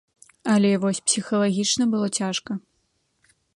Але вось псіхалагічна было цяжка.